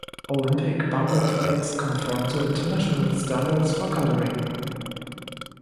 Olympic bumper plates conform to international standards for colouring.